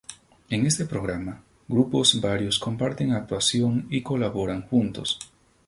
En este programa, grupos varios comparten actuación y colaboran juntos.